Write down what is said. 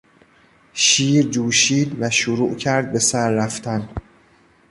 شیر جوشید و شروع کرد به سر رفتن.